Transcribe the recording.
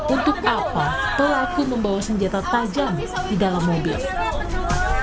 untuk apa pelaku membawa senjata tajam di dalam mobil